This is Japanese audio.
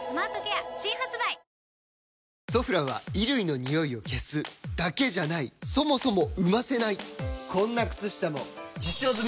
「ソフラン」は衣類のニオイを消すだけじゃないそもそも生ませないこんな靴下も実証済！